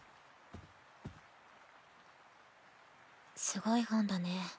すごい本だね。